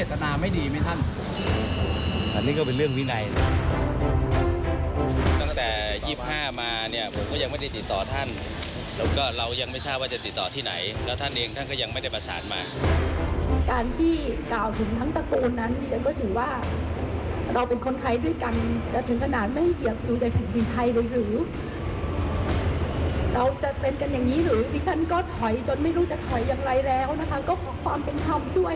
สถานการณ์สถานการณ์สถานการณ์สถานการณ์สถานการณ์สถานการณ์สถานการณ์สถานการณ์สถานการณ์สถานการณ์สถานการณ์สถานการณ์สถานการณ์สถานการณ์สถานการณ์สถานการณ์สถานการณ์สถานการณ์สถานการณ์สถานการณ์สถานการณ์สถานการณ์สถานการณ์สถานการณ์สถานการณ์สถานการณ์สถานการณ์สถานการ